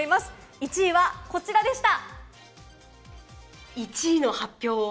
１位はこちらでした！